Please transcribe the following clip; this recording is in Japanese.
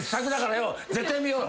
絶対見よう。